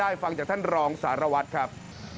กลับมาฟังจากท่านรองสารวัฒน์ครับ